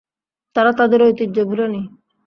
তারা তাদের ঐতিহ্য ভুলেনি।